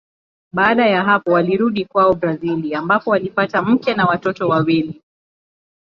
Baada ya hapo alirudi kwao Brazili ambapo alipata mke na watoto wawili.